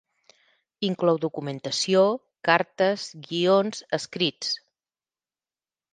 Inclou documentació, cartes, guions, escrits.